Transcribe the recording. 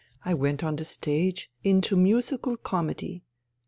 I went on the stage, into musical comedy.